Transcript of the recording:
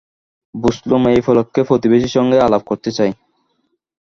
বুছলুম, এই উপলক্ষে প্রতিবেশীর সঙ্গে আলাপ করতে চায়।